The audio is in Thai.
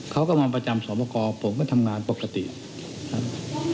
เขาก็มาประจำสอบประกอบผมก็ทำงานปกติครับ